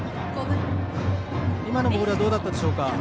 今のボールはどうだったでしょうか。